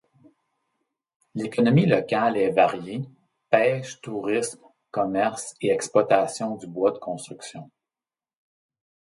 L'économie locale est variée, pêche, tourisme, commerces, et exploitation du bois de construction.